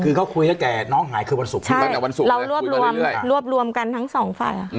คือเขาคุยแล้วแต่น้องหายคือวันศุกร์ใช่เรารวบรวมกันทั้ง๒ฝั่ง